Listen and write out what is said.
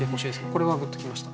これはグッときました。